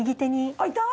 あっいた！